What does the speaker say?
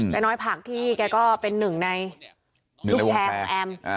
น้อยผักที่แกก็เป็นหนึ่งในลูกแชร์ของแอม